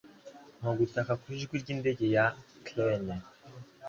Nka gutaka kwijwi ryindege ya crane